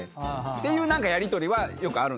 ていうやりとりはよくあるんです。